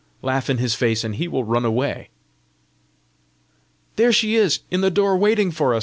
Laugh in his face and he will run away." "There she is in the door waiting for us!"